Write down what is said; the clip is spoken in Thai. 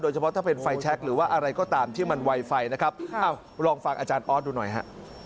เฉพาะถ้าเป็นไฟแชคหรือว่าอะไรก็ตามที่มันไวไฟนะครับอ้าวลองฟังอาจารย์ออสดูหน่อยฮะ